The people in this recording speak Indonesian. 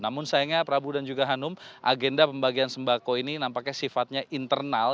namun sayangnya prabu dan juga hanum agenda pembagian sembako ini nampaknya sifatnya internal